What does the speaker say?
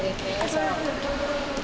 そう。